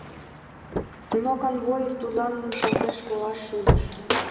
Но конвоир тудлан мунчалтен волаш шӱдыш.